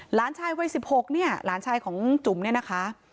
หลานชายวัย๑๖เนี่ยหลานชายของจุ๋มเนี่ยนะคะ